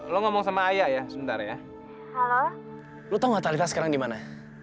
lo ngomong sama ayah ya sebentar ya halo lu tahu sekarang dimana